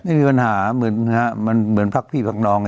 ไม่มีปัญห่ามันเหมือนเยอะมันเหมือนพวักพี่พวักน้อง